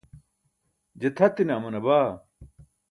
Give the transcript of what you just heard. je tʰatine amana baa